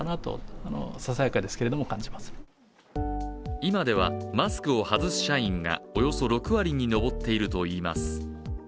今ではマスクを外す社員がおよそ６割に上っているといいます。